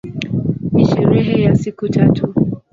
Ni sherehe ya siku tatu.